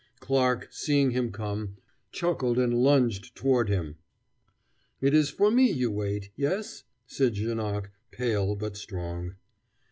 Clarke, seeing him come, chuckled and lounged toward him. "It is for me you wait yes?" said Janoc, pale, but strong.